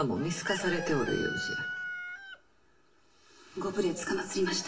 ご無礼つかまつりました。